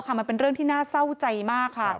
มันเป็นเรื่องที่น่าเศร้าใจมากค่ะ